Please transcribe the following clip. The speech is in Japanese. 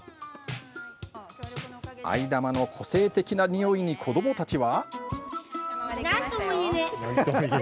藍玉の個性的なにおいに子どもたちは。